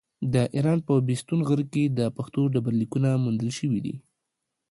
د ايران په بېستون غره کې د پښتو ډبرليکونه موندل شوي دي.